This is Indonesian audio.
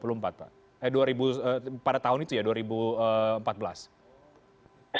eh pada tahun itu ya dua ribu empat belas